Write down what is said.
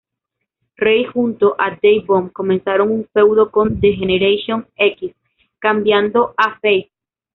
Ray junto a D-Von comenzaron un feudo con D-Generation X, cambiando a "face".